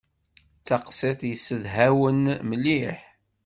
D taqsiṭ yessedhawen mliḥ.